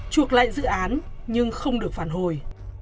chuộc lại dự án nhưng không được phản hồi